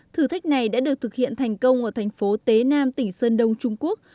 thử thách này đã được thực hiện thành công ở thành phố tế nam tỉnh sơn đông trung quốc